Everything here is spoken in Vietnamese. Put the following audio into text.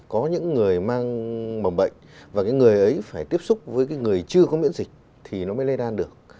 có những người mang mầm bệnh và cái người ấy phải tiếp xúc với người chưa có miễn dịch thì nó mới lây lan được